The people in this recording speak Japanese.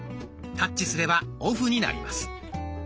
タッチすればオフになります。